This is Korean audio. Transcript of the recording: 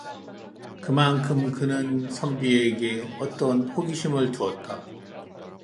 그만큼 그는 선비에게 어떤 호기심을 두었다.